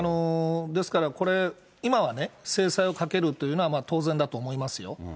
ですからこれ、今はね、制裁をかけるというのは当然だと思いますよ。